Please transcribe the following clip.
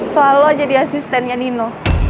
soal lo jadi asistennya nino